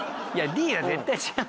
Ｄは絶対違う？